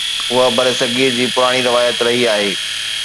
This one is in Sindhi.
اها برصغير جي پراڻي روايت رهي آهي.